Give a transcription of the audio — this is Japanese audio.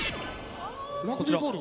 ラグビーボール？